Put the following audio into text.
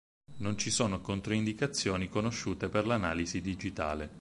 Non ci sono controindicazioni conosciute per l'analisi digitale.